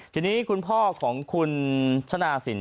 ทีนี้คุณพ่อของคุณชนะสิน